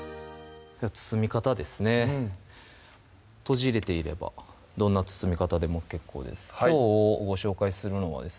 包み方ですねうん閉じれていればどんな包み方でも結構ですきょうご紹介するのはですね